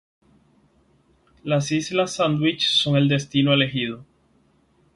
Las Islas Sandwich son el destino elegido.